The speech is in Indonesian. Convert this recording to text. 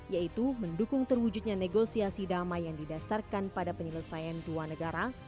yaitu mendukung terwujudnya negosiasi damai yang didasarkan pada penyelesaian dua negara